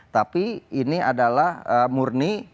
tapi ini adalah murni